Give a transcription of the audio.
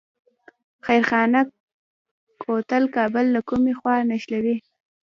خیرخانه کوتل کابل له کومې خوا نښلوي؟